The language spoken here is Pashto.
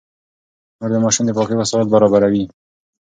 مور د ماشوم د پاکۍ وسايل برابروي.